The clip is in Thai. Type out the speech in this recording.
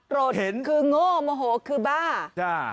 รถคือง่มโอ้โหคือบ้า